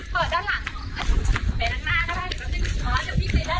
พร้อมพร้อมเอาลูกยางเอาลูกยาง